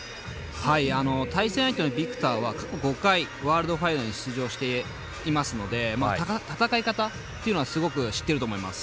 はい対戦相手のＶｉｃｔｏｒは過去５回ワールドファイナルに出場していますので戦い方っていうのはすごく知ってると思います。